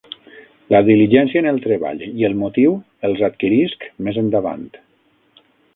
La diligència en el treball i el motiu els adquirisc més endavant.